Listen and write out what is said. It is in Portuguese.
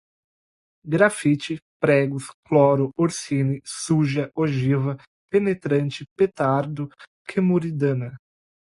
grafite, pregos, cloro, orsini, suja, ogiva, penetrante, petardo, kemuridama